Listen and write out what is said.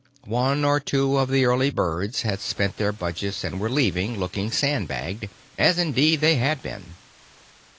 One or two of the early birds had spent their budgets and were leaving, looking sandbagged—as indeed they had been.